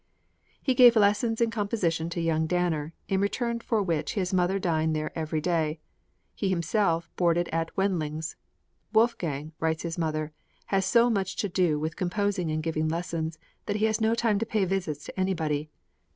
He gave lessons in composition to young Danner, in return for which his mother dined there every day; he himself boarded at Wendling's. "Wolfgang," writes his mother, "has so much to do with composing and giving lessons that he has no time to pay visits to anybody.